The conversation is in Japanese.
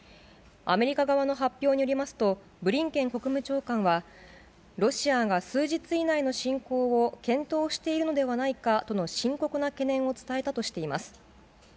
アメリカ側の発表によりますと、ブリンケン国務長官は、ロシアが数日以内の侵攻を検討しているのではないかとの深刻な懸念を伝えたとしています。